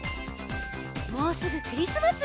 もうすぐクリスマス！